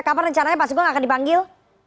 kapan rencananya pak sugeng akan dipanggil